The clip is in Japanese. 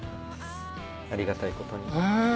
ありがたいことに。